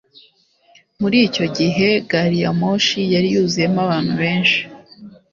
Muri icyo gihe gari ya moshi yari yuzuyemo abantu benshi